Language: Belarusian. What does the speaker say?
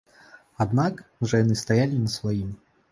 Аднак жа яны стаялі на сваім.